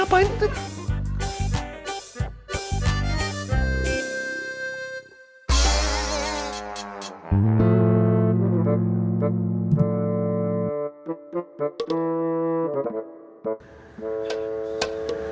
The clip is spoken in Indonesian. kamu mah ini tuh ceng ceng